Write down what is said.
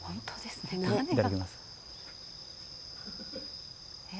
いただきます。